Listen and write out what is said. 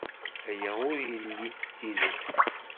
Aya ur yelli d tidet.